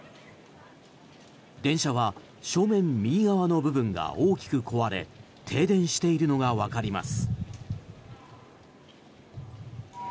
電車は正面右側の部分が大きく壊れ停電しているのがわかります。